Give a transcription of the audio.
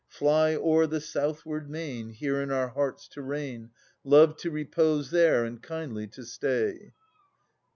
Fly o'er the southward main Here in our hearts to reign, Loved to repose there and kindly to stay.